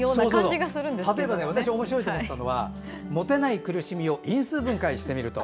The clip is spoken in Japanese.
私がおもしろいと思ったのが「モテない苦しみを因数分解してみると」。